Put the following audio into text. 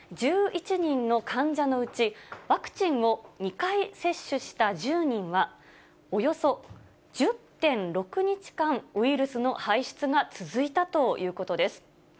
１１人の患者のうち、ワクチンを２回接種した１０人は、およそ１０．６日間、ウイルスの排出が続いたということです。